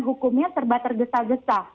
hukumnya terbaik tergesa gesa